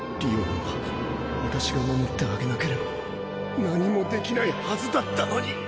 りおんは私が守ってあげなければ何もできないはずだったのに。